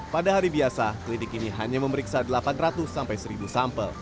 pada hari biasa klinik ini hanya memeriksa delapan ratus sampai seribu sampel